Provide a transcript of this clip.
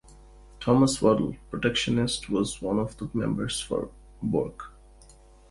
Thomas Waddell (Protectionist) was one of the members for Bourke.